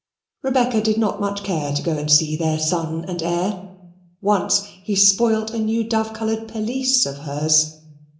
Rebecca did not care much to go and see the son and heir. Once he spoiled a new dove coloured pelisse of hers.